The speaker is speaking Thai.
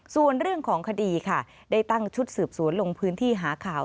ส่วนเรื่องของคดีค่ะได้ตั้งชุดสืบสวนลงพื้นที่หาข่าว